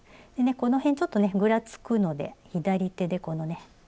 この辺ちょっとねぐらつくので左手でこのね